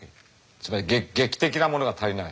つまり劇的なものが足りない。